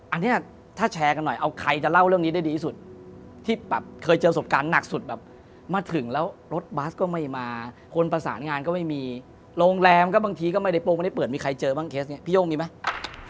อันนี้ถ้าแชร์กันหน่อยเอาใครจะเล่าเรื่องนี้ได้ดีที่สุดที่แบบเคยเจอประสบการณ์หนักสุดแบบมาถึงแล้วรถบัสก็ไม่มาคนประสานงานก็ไม่มีโรงแรมก็บางทีก็ไม่ได้โปรงไม่ได้เปิดมีใครเจอบ้างเคสนี้พี่โย่งมีไหม